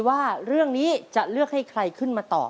ว่าเรื่องนี้จะเลือกให้ใครขึ้นมาตอบ